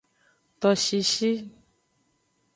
Toshishi.